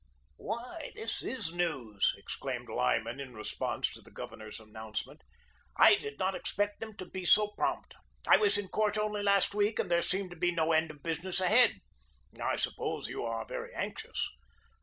"Why, this is news," exclaimed Lyman, in response to the Governor's announcement; "I did not expect them to be so prompt. I was in court only last week and there seemed to be no end of business ahead. I suppose you are very anxious?"